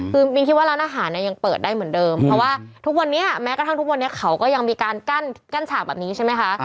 คือมินคิดว่าร้านอาหารเนี่ยยังเปิดได้เหมือนเดิมเพราะว่าทุกวันนี้แม้กระทั่งทุกวันนี้เขาก็ยังมีการกั้นฉากแบบนี้ใช่ไหมคะ